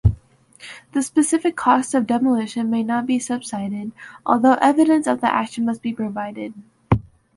The specific costs of demolition may not be subsidized, although evidence of the action must be provided.